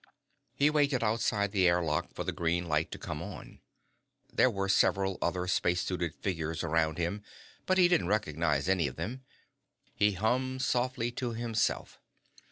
He waited outside the air lock door for the green light to come on. There were several other space suited figures around him, but he didn't recognize any of them. He hummed softly to himself.